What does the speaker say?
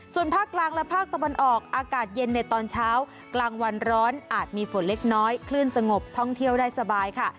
ส่วนภาคกลางและภาคตะวันออกอากาศเย็นในตอนเช้ากลางวันร้อนอาจมีฝนเล็กน้อยคลื่นสงบท่องเที่ยวได้สบายค่ะ